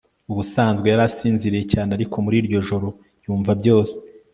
ubusanzwe yari asinziriye cyane ariko muri iryo joro yumva byose